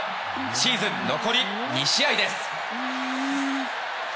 シーズン残り２試合です。